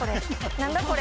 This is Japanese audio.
何だ⁉これ。